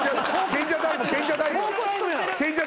賢者タイムだ今。